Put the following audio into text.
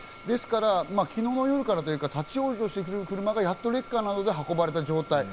ですから昨日の夜からというか立ち往生していた車がやっとレッカーなどで運ばれた状態。